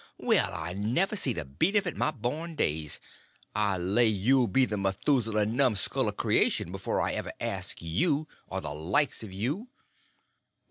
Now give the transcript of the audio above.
Well, I never see the beat of it in my born days! I lay you'll be the Methusalem numskull of creation before ever I ask you—or the likes of you."